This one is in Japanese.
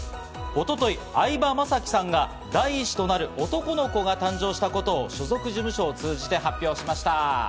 一昨日、相葉雅紀さんが第１子となる男の子が誕生したことを所属事務所を通じて発表しました。